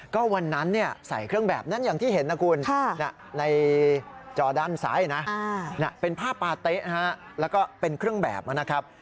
ก็วันนั้นใส่เครื่องแบบนั้นอย่างที่เห็นนะคุณในจอด้านซ้ายนะเป็นผ้าปาเต๊ะแล้วก็เป็นเครื่องแบบนะครับ